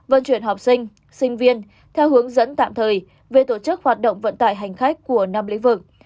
vận chuyển học sinh sinh viên theo hướng dẫn tạm thời về tổ chức hoạt động vận tải hành khách của năm lĩnh vực